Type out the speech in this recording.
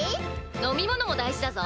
飲み物も大事だぞ！